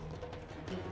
jaringan teluk seluler